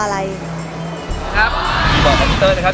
พี่ฟองอีก๑ดวงดาว